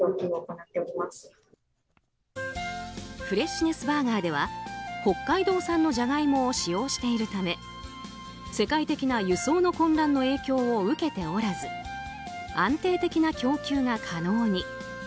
フレッシュネスバーガーでは北海道産のジャガイモを使用しているため世界的な輸送の混乱の影響を受けておらず安定的な供給が可能に。